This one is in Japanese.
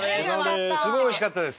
すごい美味しかったです。